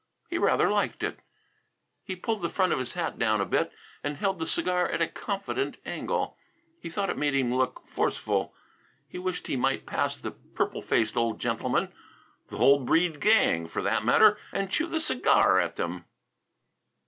He rather liked it. He pulled the front of his hat down a bit and held the cigar at a confident angle. He thought it made him look forceful. He wished he might pass the purple faced old gentleman the whole Breede gang, for that matter and chew the cigar at them.